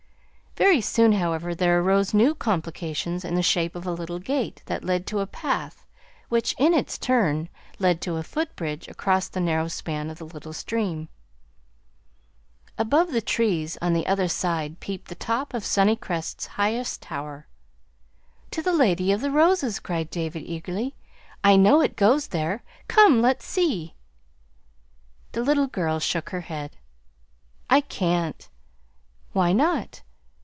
Very soon, however, there arose new complications in the shape of a little gate that led to a path which, in its turn, led to a footbridge across the narrow span of the little stream. Above the trees on the other side peeped the top of Sunnycrest's highest tower. "To the Lady of the Roses!" cried David eagerly. "I know it goes there. Come, let's see!" The little girl shook her head. "I can't." "Why not?"